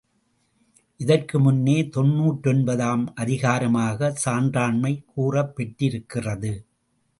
இதற்கு முன்னே தொன்னூற்றொன்பது ஆம் அதிகாரமாகச் சான்றாண்மை கூறப் பெற்றிருக்கிறது.